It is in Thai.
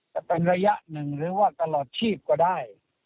จะเป็นระยะหนึ่งหรือว่าตลอดชีพก็ได้